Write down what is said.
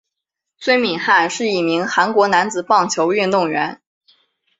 孙敏汉是一名韩国男子棒球运动员。